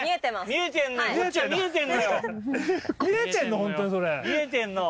見れてんの？